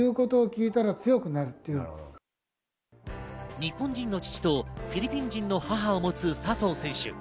日本人の父とフィリピン人の母を持つ笹生選手。